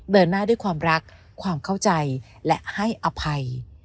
เดินหน้าด้วยความรักความเข้าใจและให้อภัย